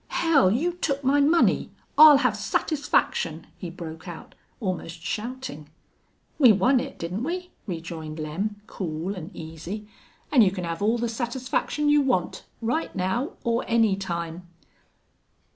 "Hell! you took my money. I'll have satisfaction," he broke out, almost shouting. "We won it, didn't we?" rejoined Lem, cool and easy. "An' you can have all the satisfaction you want, right now or any time."